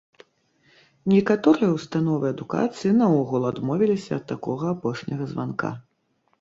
Некаторыя установы адукацыі наогул адмовіліся ад такога апошняга званка.